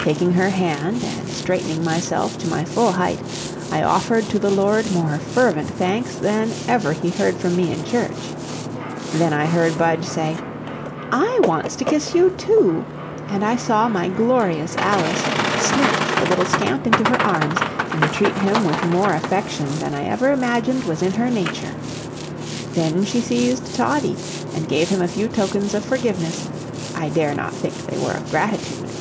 Taking her hand and straightening myself to my full height, I offered to the Lord mere fervent thanks than he ever heard from me in church. Then I heard Budge say, "I wants to kiss you, too," and I saw my glorious Alice snatch the little scamp into her arms, and treat him with more affection than I ever imagined was in her nature. Then she seized Toddie, and gave him a few tokens of forgiveness I dare not think they were of gratitude.